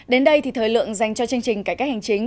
đến đây thì thời lượng dành cho chương trình cải cách hành chính